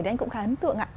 anh cũng khá ấn tượng